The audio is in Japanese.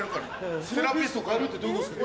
セラピスト代えるってどういうことですか？